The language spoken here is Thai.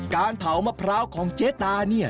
การเผามะพร้าวของเจ๊ตาเนี่ย